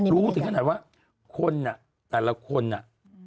รู้ถึงขนาดว่าคนอ่ะแต่ละคนอ่ะ